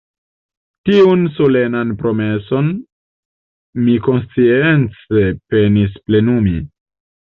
Tiun solenan promeson mi konscience penis plenumi.